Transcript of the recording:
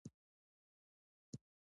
تولید څنګه زیات کړو؟